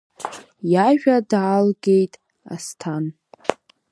Иажәа даалгеит Асҭан.